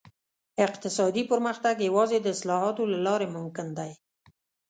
اقتصادي پرمختګ یوازې د اصلاحاتو له لارې ممکن دی.